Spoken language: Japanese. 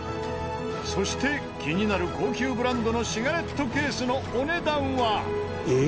そして気になる高級ブランドのシガレットケースのお値段は？ええ？